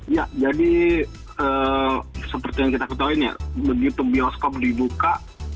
ya seperti yang kita ketahuin ya begitu bioskop dibuka